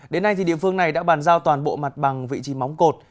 đến nay địa phương này đã bàn giao toàn bộ mặt bằng vị trí móng cột